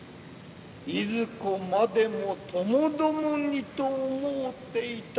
いずこまでもともどもにと思うていたなれ